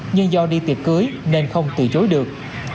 nhưng do đi tiệc cưới nên không từ chối được